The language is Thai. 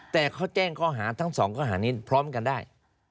แต่เขาแจ้งข้อหาทั้งสองข้อหานี้พร้อมกันได้